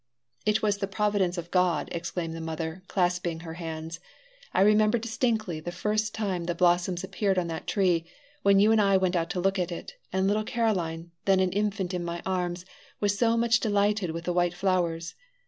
"It was the providence of God," exclaimed the mother, clasping her hands. "I remember distinctly the first time the blossoms appeared on that tree, when you and I went out to look at it, and little Caroline, then an infant in my arms, was so much delighted with the white flowers.